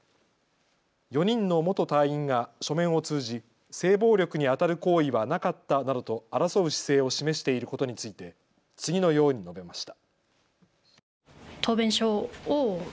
４人の元隊員が書面を通じ性暴力にあたる行為はなかったなどと争う姿勢を示していることについて次のように述べました。